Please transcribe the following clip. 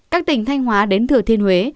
các tỉnh thanh hóa đến thừa thiên huế